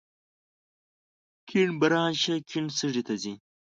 کیڼ برانش یې کیڼ سږي ته ځي.